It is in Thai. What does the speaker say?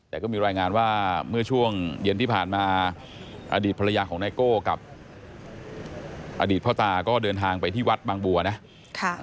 แต่ก็มีรายงานว่าเมื่อช่วงเย็นที่ผ่านมาอดีตภรรยาของไนโก้กับอดีตพ่อตาก็เดินทางไปที่วัดบางบัวนะค่ะ